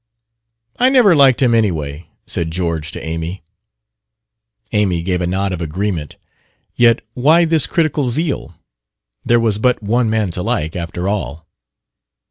"I never liked him, anyway," said George to Amy. Amy gave a nod of agreement. Yet why this critical zeal? There was but one man to like, after all.